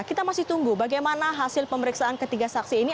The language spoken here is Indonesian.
kita masih tunggu bagaimana hasil pemeriksaan ketiga saksi ini